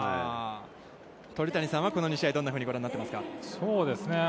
鳥谷さんはこの２試合はどんなふうにご覧になってますか。